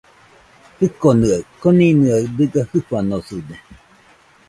Jikonɨa koninɨaɨ dɨga jɨfanosɨde